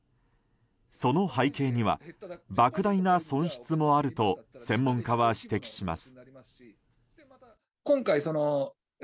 その背景には莫大な損失もあると専門家は指摘します。